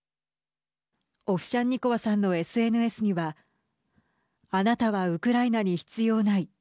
オフシャンニコワさんのＳＮＳにはあなたはウクライナに必要ない。